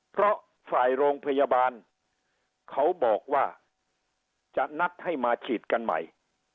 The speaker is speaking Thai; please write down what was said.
เพราะฝ่ายโรงพยาบาลเขาบอกว่าจะนัดให้มาฉีดกันใหม่